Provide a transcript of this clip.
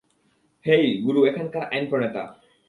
হেই, গুরু এখানকার আইন প্রণেতা।